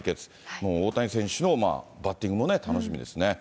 もう大谷選手のバッティングも楽しみですね。